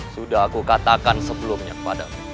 sudah aku katakan sebelumnya kepadamu